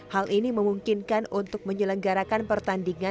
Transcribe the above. hal ini memungkinkan untuk menyelenggarakan pertandingan